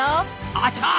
あちゃ